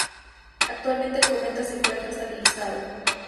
Actualmente el cometa se encuentra estabilizado.